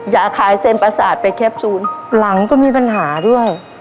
อยากขายเซ็นประสาทไปแคปซูลหลังก็มีปัญหาด้วย